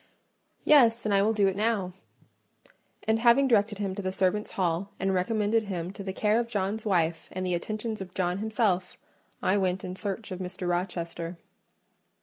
"Yes; and I will do it now;" and having directed him to the servants' hall, and recommended him to the care of John's wife, and the attentions of John himself, I went in search of Mr. Rochester.